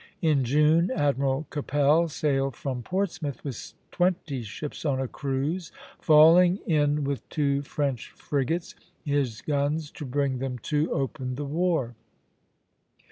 In June, Admiral Keppel sailed from Portsmouth, with twenty ships, on a cruise. Falling in with two French frigates, his guns, to bring them to, opened the war.